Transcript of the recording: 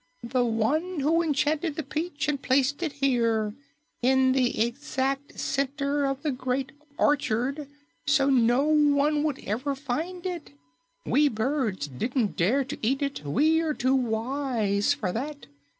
"The one who enchanted the peach and placed it here in the exact center of the Great Orchard so no one would ever find it. We birds didn't dare to eat it; we are too wise for that.